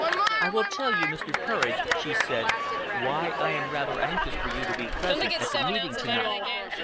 "I will tell you, Mr. Courage," she said, "why I am rather anxious for you to be present at the meeting to night.